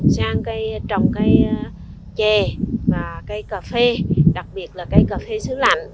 sang cây trồng cây chè và cây cà phê đặc biệt là cây cà phê xứ lạnh